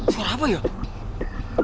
suara apa yuk